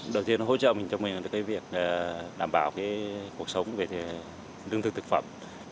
đầu tiên nó hỗ trợ mình cho mình được cái việc đảm bảo cái cuộc sống về lương thực thực phẩm